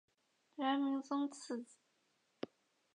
元明宗次子。